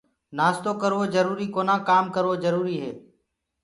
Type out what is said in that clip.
نآستو ڪروو جروُري ڪونآ ڪآم ڪروو جَروُري هي۔